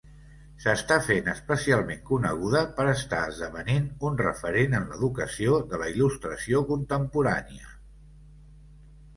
S'està fent especialment coneguda per estar esdevenint un referent en l'educació de la il·lustració contemporània.